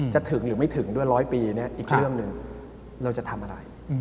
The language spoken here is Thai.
จะถึงหรือไม่ถึงด้วยร้อยปีเนี่ยอีกเรื่องหนึ่งเราจะทำอะไร